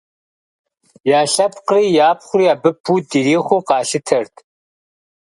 Я лъэпкъри япхъури абы пуд ирихъуу къалъытэрт.